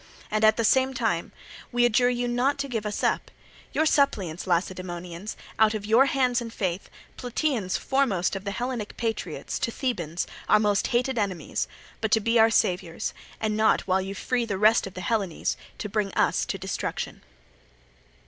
And at the same time we adjure you not to give us up—your suppliants, Lacedaemonians, out of your hands and faith, Plataeans foremost of the Hellenic patriots, to Thebans, our most hated enemies—but to be our saviours, and not, while you free the rest of the Hellenes, to bring us to destruction."